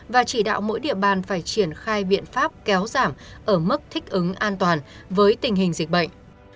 và chỉ đạo mỗi địa bàn phải triển khai biện pháp kéo giảm ở mức thích ứng an toàn với tình hình dịch bệnh